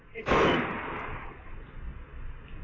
มีชายแปลกหน้า๓คนผ่านมาทำทีเป็นช่วยค่างทาง